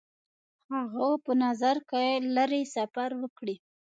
هغه په نظر کې لري سفر وکړي.